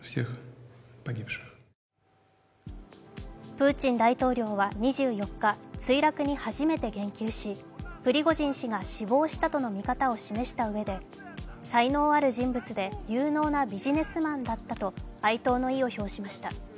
プーチン大統領は２４日、墜落に初めて言及しプリゴジン氏が死亡したとの見方を示したうえで才能ある人物で有能なビジネスマンだったと哀悼の意を表しました。